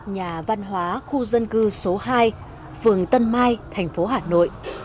nhà văn hóa khu dân cư số hai phường tân mai thành phố hà nội